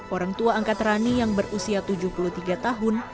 orang tua angkat rani yang berusia tujuh puluh tiga tahun